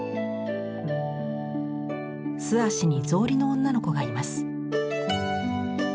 素足に草履の女の子がいます。